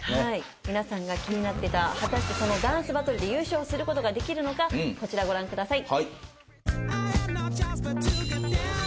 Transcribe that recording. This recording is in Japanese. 皆さんが気になってた果たしてそのダンスバトルで優勝することができるのかこちらご覧ください。